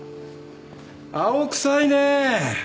青臭いね。